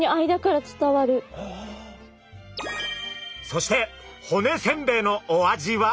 そして骨せんべいのお味は？